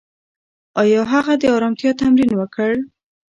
ایا هغه د ارامتیا تمرین وکړ؟